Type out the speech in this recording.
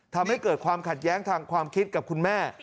ทำให้เกิดความขัดแย้งทางความคิดกับคุณแม่